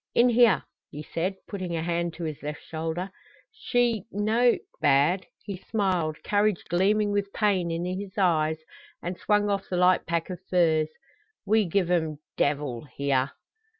"In here," he said, putting a hand to his left shoulder. "She no bad." He smiled, courage gleaming with pain in his eyes, and swung off the light pack of furs. "We give 'em devil here!"